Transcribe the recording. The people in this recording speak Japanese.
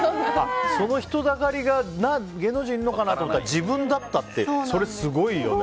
その人だかりが芸能人がいるかと思ったら自分だったって、それすごいよね。